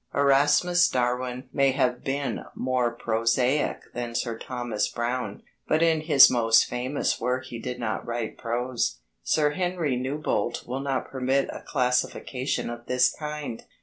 Erasmus Darwin may have been more prosaic than Sir Thomas Browne, but in his most famous work he did not write prose. Sir Henry Newbolt will not permit a classification of this kind.